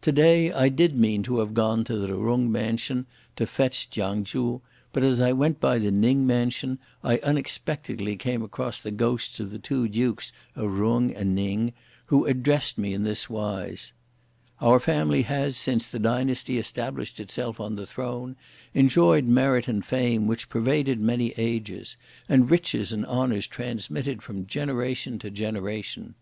To day I did mean to have gone to the Jung mansion to fetch Chiang Chu, but as I went by the Ning mansion, I unexpectedly came across the ghosts of the two dukes of Jung and Ning, who addressed me in this wise: 'Our family has, since the dynasty established itself on the Throne, enjoyed merit and fame, which pervaded many ages, and riches and honours transmitted from generation to generation.